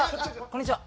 こんにちは。